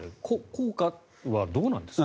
効果はどうなんですか。